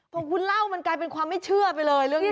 พอคุณเล่ามันกลายเป็นความไม่เชื่อไปเลยเรื่องนี้